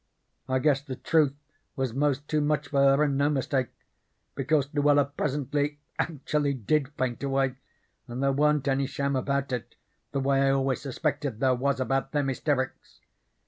I guess the truth was most too much for her and no mistake, because Luella presently actually did faint away, and there wa'n't any sham about it, the way I always suspected there was about them hysterics.